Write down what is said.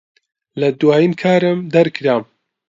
لە دوایین کارم دەرکرام.